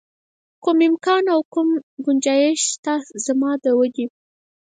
کوم امکان او کوم ګنجایش شته زما د ودې.